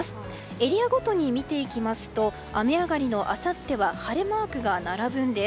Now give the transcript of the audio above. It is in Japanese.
エリアごとに見ていきますと雨上がりのあさっては晴れマークが並ぶんです。